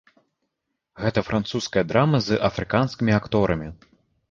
Гэта французская драма з афрыканскімі акторамі.